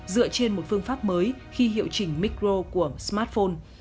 và các phương pháp mới khi hiệu chỉnh micro của smartphone